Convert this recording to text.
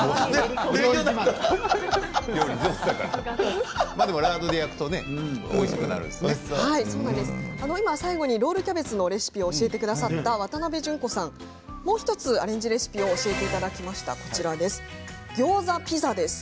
料理上手だからラードで焼くと最後にロールキャベツのレシピを教えてくださった渡邉純子さん、もう１つアレンジレシピを教えてくださいましたギョーザピザです。